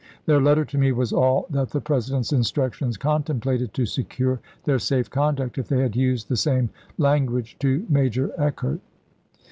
Their letter to me was all that the President's instructions contemplated to secure their safe conduct, if they had used the same language to Major Eckert.